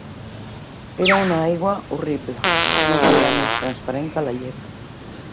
Era una aigua horrible, no gaire més transparent que la llet.